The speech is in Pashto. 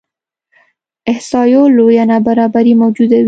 احصایو لویه نابرابري موجوده وي.